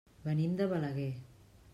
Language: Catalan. Venim de Balaguer.